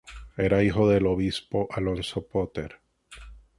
Era hijo del obispo Alonzo Potter.